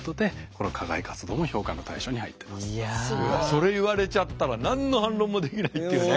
それ言われちゃったら何の反論もできないっていうね。